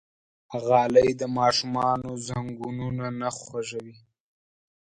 غالۍ د ماشومانو زنګونونه نه خوږوي.